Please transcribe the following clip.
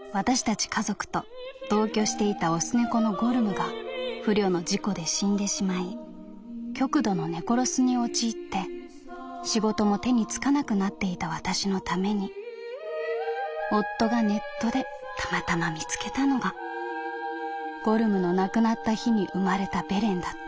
家族と同居していた雄猫のゴルムが不慮の事故で死んでしまい極度の猫ロスに陥って仕事も手につかなくなっていたわたしのために夫がネットでたまたま見つけたのがゴルムの亡くなった日に生まれたベレンだった」。